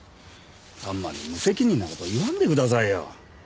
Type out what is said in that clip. あんまり無責任な事を言わんでくださいよ。